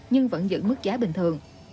nhưng vẫn giữ mức giá bình thường